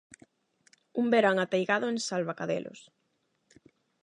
Un verán ateigado en Salvacadelos.